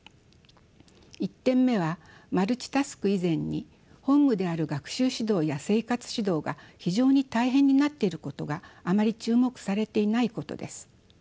１点目はマルチタスク以前に本務である学習指導や生活指導が非常に大変になっていることがあまり注目されていないことです。